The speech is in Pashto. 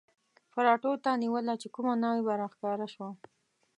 پراټو ته نیوله چې کومه ناوې به را ښکاره شوه.